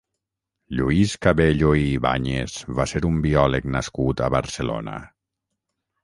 Lluís Cabello i Ibáñez va ser un biòleg nascut a Barcelona.